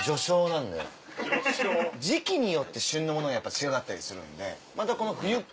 時季によって旬のものやっぱ違かったりするので。